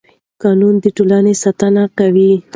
قانون د ټولنې ساتنه کوي